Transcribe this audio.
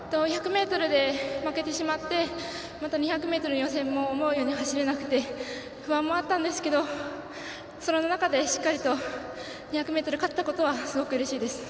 １００ｍで負けてしまってまた２００ｍの予選も思うように走れなくて不安もあったんですけどその中でしっかりと２００ｍ勝ったことはすごくうれしいです。